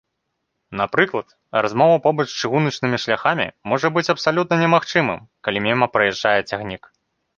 Напрыклад, размова побач з чыгуначнымі шляхамі можа быць абсалютна немагчымым, калі міма праязджае цягнік.